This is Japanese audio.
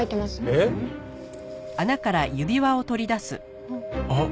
えっ？あっ。